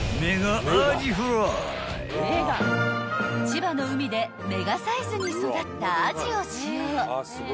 ［千葉の海でメガサイズに育ったアジを使用］